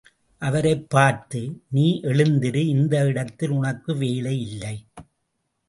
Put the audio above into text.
அவரைப் பார்த்து, நீ எழுந்திரு இந்த இடத்தில் உனக்கு வேலையில்லை.